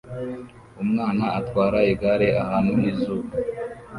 Umwana atwara igare ahantu h'izuba